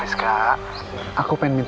jadi satu kali aku lamarin momen ini